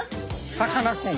さかなクン。